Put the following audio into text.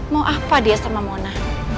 mau apa dia sama mona